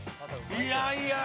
いやいや！